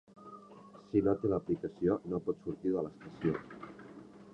Si no té l’aplicació no pot sortir de l’estació.